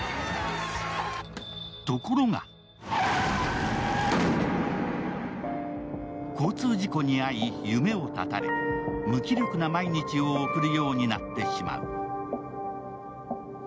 ところが交通事故に遭い夢を絶たれ無気力な毎日を送るようになってしまう。